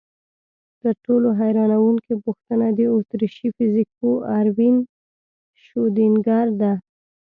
تر ټولو حیرانوونکې پوښتنه د اتریشي فزیکپوه اروین شرودینګر ده.